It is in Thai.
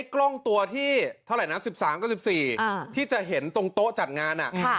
กล้องตัวที่๑๓กับ๑๔ที่จะเห็นตรงโต๊ะจัดงาน